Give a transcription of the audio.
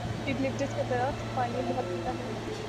Eucalyptus کا درخت پانی بہت پیتا ہے۔